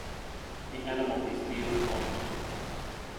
The animal is near the pond.